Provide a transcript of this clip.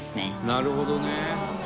なるほどね。